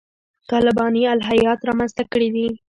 طالباني الهیات رامنځته کړي دي.